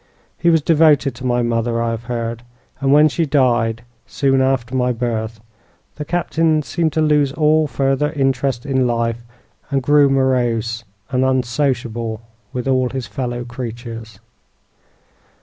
He was devoted to my mother, I have heard, and when she died, soon after my birth, the Captain seemed to lose all further interest in life, and grew morose and unsociable with all his fellow creatures.